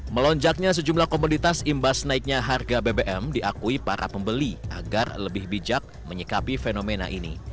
melonjaknya sejumlah komoditas imbas naiknya harga bbm diakui para pembeli agar lebih bijak menyikapi fenomena ini